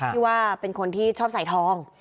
ที่ว่าเป็นคนที่ชอบใส่ทอง